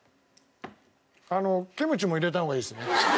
あのキムチも入れた方がいいですね。